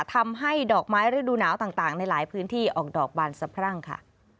ทำให้ดอกไม้ฤดูหนาวต่างในหลายพื้นที่ออกดอกบานสะพรั่งค่ะ